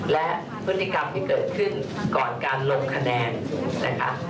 และพฤติกรรมที่เกิดขึ้นก่อนการลงคะแนนนะคะ